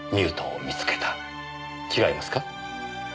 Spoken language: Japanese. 違いますか？